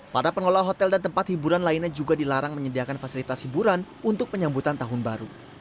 para pengelola hotel dan tempat hiburan lainnya juga dilarang menyediakan fasilitas hiburan untuk penyambutan tahun baru